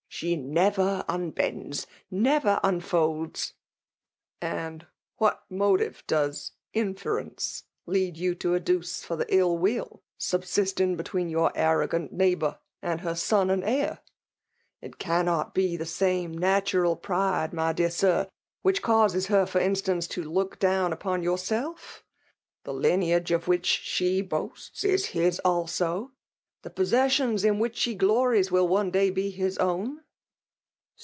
She never unbends, never unfcdds !"*." And what motive does inference lead you to adduce for the ill will subsisting between four arrogant B€aighbotir> and her son and heir ? It cannot be the same natural pride. my dear Sir, wUeh caases iier^ far instanci; to look down upon jouiself ? The lineage of wbkik she boasts^ is his ako; the posaear sions in wliich she glories^ will one daj.be.hiB own."